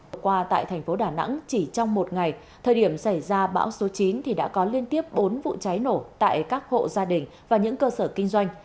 hôm qua tại thành phố đà nẵng chỉ trong một ngày thời điểm xảy ra bão số chín thì đã có liên tiếp bốn vụ cháy nổ tại các hộ gia đình và những cơ sở kinh doanh